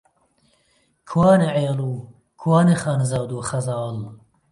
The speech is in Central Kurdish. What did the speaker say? کوانێ عێل و، کوانێ خانزاد و خەزاڵ؟!